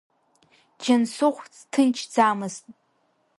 Џьансыхә дҭынчӡамызт.